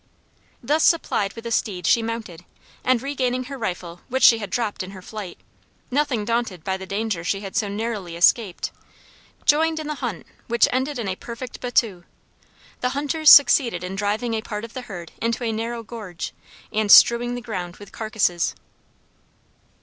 Thus supplied with a steed she mounted, and regaining her rifle which she had dropped in her flight, nothing daunted by the danger she had so narrowly escaped, joined in the hunt which ended in a perfect battue. The hunters succeeded in driving a part of the herd into a narrow gorge and strewing the ground with carcasses.